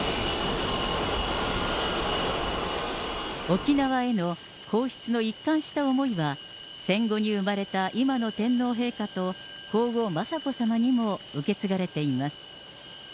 沖縄への皇室の一貫した思いは、戦後に生まれた今の天皇陛下と皇后、雅子さまにも受け継がれています。